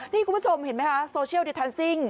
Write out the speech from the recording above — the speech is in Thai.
นี่คุณผู้ชมเห็นไหมคะโซเชียลดิทันซิ่ง